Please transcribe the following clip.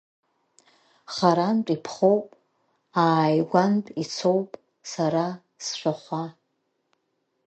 Харантә иԥхоуп, ааигәантә ицоуп сара сшәахәа!